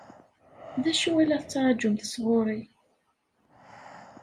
D acu i la tettṛaǧumt sɣur-i?